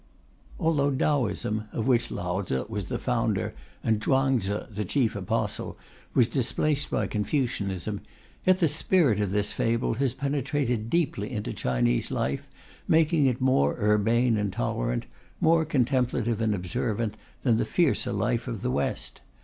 Although Taoism, of which Lao Tze was the founder and Chuang Tze the chief apostle, was displaced by Confucianism, yet the spirit of this fable has penetrated deeply into Chinese life, making it more urbane and tolerant, more contemplative and observant, than the fiercer life of the West.